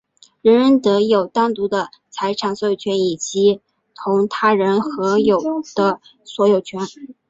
人人得有单独的财产所有权以及同他人合有的所有权。